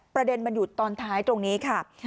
ประเด็นมันอยู่ตอนท้ายตรงนี้ค่ะ